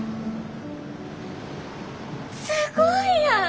すごいやん！